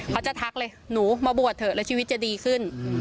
ทักเลยหนูมาบวชเถอะแล้วชีวิตจะดีขึ้น